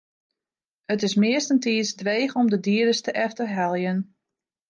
It is meastentiids dreech om de dieders te efterheljen.